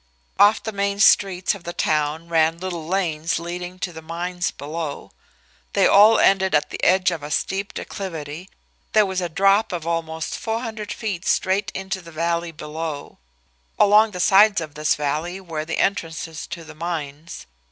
Off the main street of the town ran little lanes leading to the mines below. They all ended at the edge of a steep declivity. There was a drop of almost four hundred feet straight into the valley below. Along the sides of this valley were the entrances to the mines.